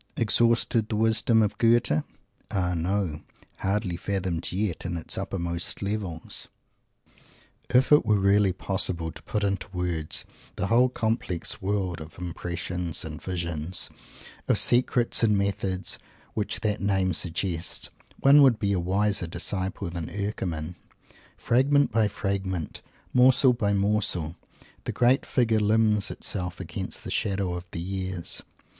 Exhausted, the wisdom of Goethe? Ah, no! hardly fathomed yet, in its uppermost levels! If it were really possible to put into words the whole complex world of impressions and visions, of secrets and methods, which that name suggests, one would be a wiser disciple than Eckermann. Fragment by fragment, morsel by morsel, the great Figure limns itself against the shadow of the years.